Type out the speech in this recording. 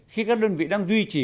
khi các đơn vị đang duy trì